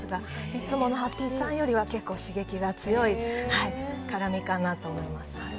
いつものハッピーターンよりは結構刺激が強い辛みかなと思います。